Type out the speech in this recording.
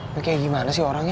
kayak gimana sih orangnya